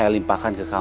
kanal tempat spesial